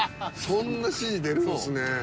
そんな指示出るんすね。